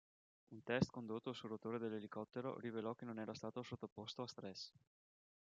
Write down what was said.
Un test condotto sul rotore dell’elicottero rivelò che non era stato sottoposto a stress.